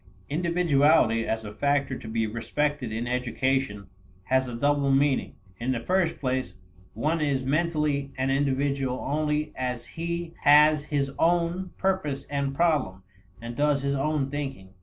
Individuality as a factor to be respected in education has a double meaning. In the first place, one is mentally an individual only as he has his own purpose and problem, and does his own thinking.